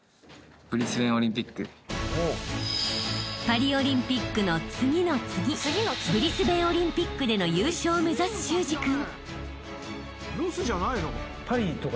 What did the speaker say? ［パリオリンピックの次の次ブリスベンオリンピックでの優勝を目指す修志君］